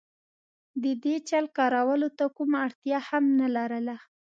د دې چل کارولو ته کومه اړتیا هم نه لرله.